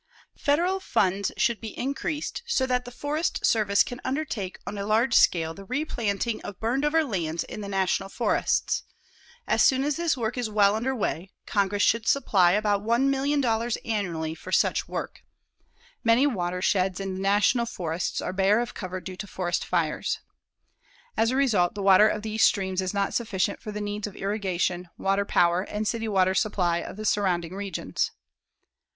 Federal funds should be increased so that the Forest Service can undertake on a large scale the replanting of burned over lands in the National Forests. As soon as this work is well under way, Congress should supply about $1,000,000 annually for such work. Many watersheds in the National Forests are bare of cover due to forest fires. As a result, the water of these streams is not sufficient for the needs of irrigation, water power and city water supply of the surrounding regions.